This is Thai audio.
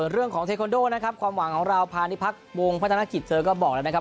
เรื่องของเทคอนโดนะครับความหวังของเราพาณิพักษ์วงพัฒนกิจเธอก็บอกแล้วนะครับ